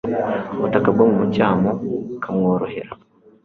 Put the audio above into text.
ubutaka bwo mu mucyamu bukamworohera